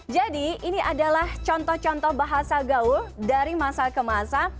jadi ini adalah contoh contoh bahasa gaul dari masa ke masa